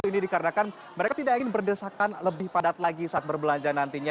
ini dikarenakan mereka tidak ingin berdesakan lebih padat lagi saat berbelanja nantinya